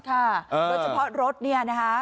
โดยเฉพาะรถเนี่ยนะคะ